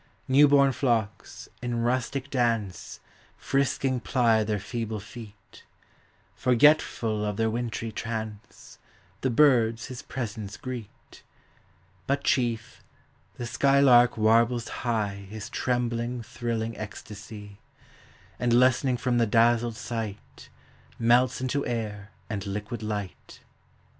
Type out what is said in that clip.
New born flocks, in rustic dance, Frisking ply their feeble feet; Forgetful of their wintry trance The birds his presence greet : But chief, the skylark warbles high His trembling thrilling ecstasy; And lessening from the dazzled sight, Melts into air and liquid light.